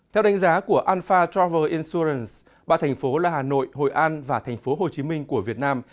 theo đánh giá của alfa travel insurance ba thành phố là hà nội hội an và thành phố hồ chí minh của việt nam